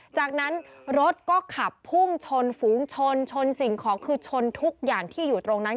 จากนั้นรถก็ขับพุ่งชนฝูงชนชนสิ่งของคือชนทุกอย่างที่อยู่ตรงนั้น